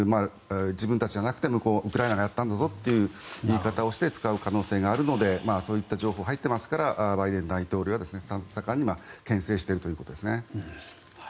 自分たちじゃなくてウクライナがやったんだぞという言い方をして使う可能性があるのでそういった情報が入っていますからバイデン大統領は盛んにけん制しているということですね。